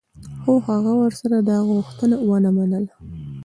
خو هغه ورسره دا غوښتنه و نه منله.